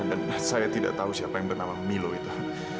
dan saya tidak tahu siapa yang bernama milo itu